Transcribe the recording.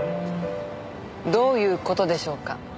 どういう事でしょうか？